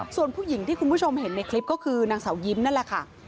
ส่วนผู้หญิงที่คุณผู้ชมเห็นในคลิปก็คือนางสาวยิ้มนั่นแหละค่ะ